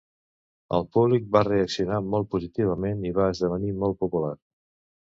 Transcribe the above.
El públic va reaccionar molt positivament i va esdevenir molt popular.